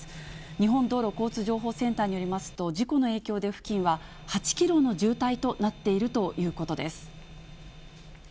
日本道路交通情報センターによりますと、事故の影響で付近は８キロの渋滞となっているということです。